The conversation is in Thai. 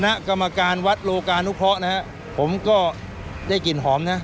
คณะกรรมการวัดโลกานุเคราะห์นะฮะผมก็ได้กลิ่นหอมนะ